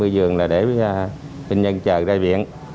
hai mươi giường là để bệnh nhân chờ ra viện